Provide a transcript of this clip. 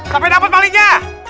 sampai dapat malingnya